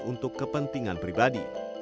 untuk kepentingan pribadi